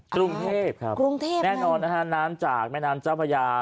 กรุงเทพครับแน่นอนนะคะน้ำจากแม่น้ำเจ้าพระยา